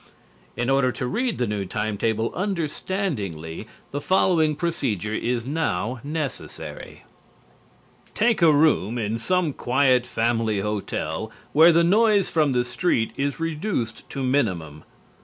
In order to read the new time table understandingly the following procedure is now necessary: Take a room in some quiet family hotel where the noise from the street is reduced to minimum.